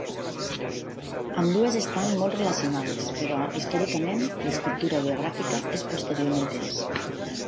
Ambdues estan molt relacionades, però, històricament, l'escriptura ideogràfica és posterior en el temps.